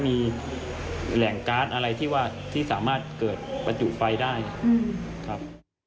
มีแหล่งการ์ดอะไรที่ว่าที่สามารถเกิดประจุไฟได้ครับ